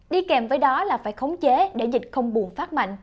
đi kèm với đó là phải khống chế để dịch không bùng phát mạnh